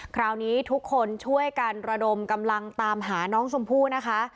คราวนี้ทุกคนช่วยกันระดมกำลังตามหาน้องชมพู่นะคะ